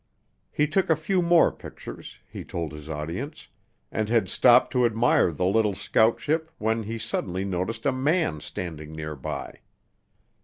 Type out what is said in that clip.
He took a few more pictures, he told his audience, and had stopped to admire the little scout ship when he suddenly noticed a man standing nearby.